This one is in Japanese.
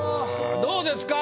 どうですか？